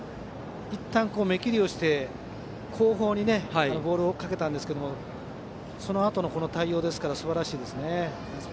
いったん目きりをして後方にボールを追いかけたんですがそのあとの対応、すばらしい。